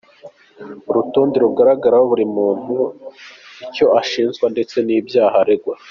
Uru rutonde rugaragaraho buri muntu icyo ashinzwe ndetse n’ibyaha aregwa.